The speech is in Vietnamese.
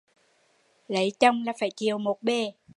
Lấy chồng là phải chịu một bề